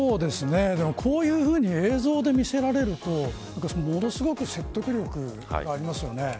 こういうふうに映像で見せられるとものすごく説得力ありますよね。